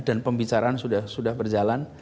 dan pembicaraan sudah berjalan